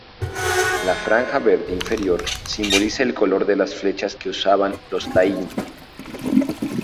La franja verde inferior simboliza el color de las flechas que usaban los taínos.